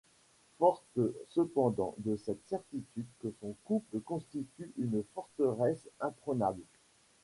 Forte cependant de cette certitude que son couple constitue une forteresse imprenable...